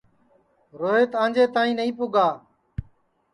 روہیت آنجے تائی نائی پُگا